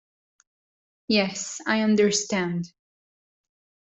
Yes, I understand.